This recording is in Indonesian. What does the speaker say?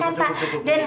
cukup cukup cukup